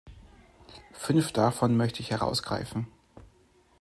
Fünf davon möchte ich herausgreifen.